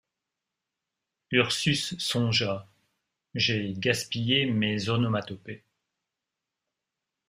Ursus songea: — J’ai gaspillé mes onomatopées.